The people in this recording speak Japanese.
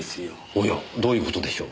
おやどういう事でしょう？